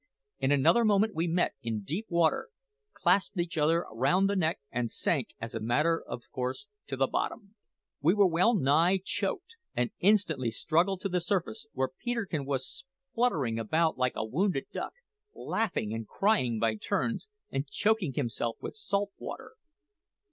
In other moment we met in deep water, clasped each other round the neck, and sank, as a matter of course, to the bottom! We were well nigh choked, and instantly struggled to the surface, where Peterkin was spluttering about like a wounded duck, laughing and crying by turns, and choking himself with salt water!